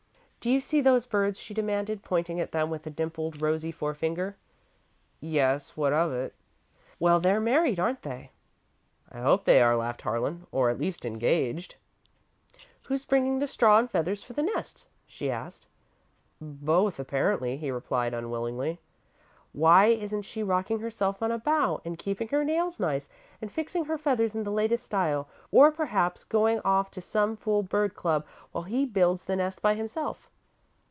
"Do you see those birds?" she demanded, pointing at them with a dimpled, rosy forefinger. "Yes, what of it?" "Well, they're married, aren't they?" "I hope they are," laughed Harlan, "or at least engaged." "Who's bringing the straw and feathers for the nest?" she asked. "Both, apparently," he replied, unwillingly. "Why isn't she rocking herself on a bough, and keeping her nails nice, and fixing her feathers in the latest style, or perhaps going off to some fool bird club while he builds the nest by himself?"